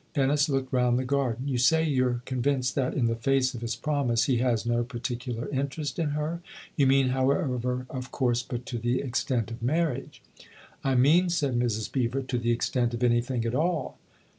Dennis looked round the garden. " You say you're convinced that, in the face of his promise, he has no particular interest in her. You mean, however, of course, but to the extent of marriage." " I mean," said Mrs. Beever, " to the extent of anything at all."